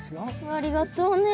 ありがとうね